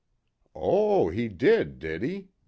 "Oh, he did, did he?"